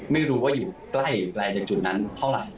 ไม่รู้ว่าอยู่ใกล้จากจุดนั้นเท่าไหร่